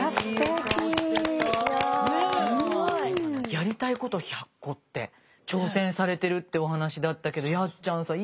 やりたいこと１００個って挑戦されてるってお話だったけどやっちゃんさん